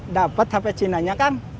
dapet hp cinanya kang